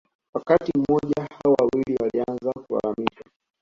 Wakati mmoja hao wawili walianza kulalamika